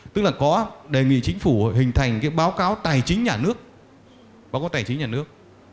tức là có đề nghị chính phủ hình thành cái báo cáo tài chính nhà nước